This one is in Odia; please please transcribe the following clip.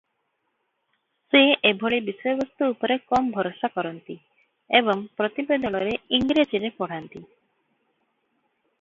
ସେ ଏଭଳି ବିଷୟବସ୍ତୁ ଉପରେ କମ ଭରସା କରନ୍ତି ଏବଂ ପ୍ରତିବଦଳରେ ଇଂରାଜୀରେ ପଢ଼ନ୍ତି ।